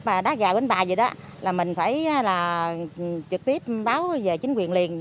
và đá gà bánh bà vậy đó là mình phải là trực tiếp báo về chính quyền liền